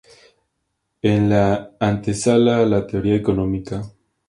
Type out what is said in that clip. Es la antesala a la teoría económica.